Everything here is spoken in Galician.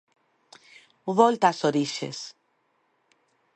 Volta ás orixes.